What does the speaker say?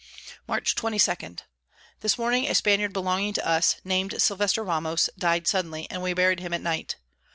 Mar. 22. This Morning a Spaniard belonging to us, nam'd Silvester Ramos, died suddenly, and we buried him at night.